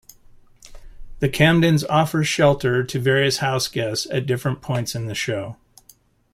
The Camdens offer shelter to various house guests at different points in the show.